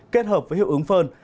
kết hợp với hiệu ứng phơn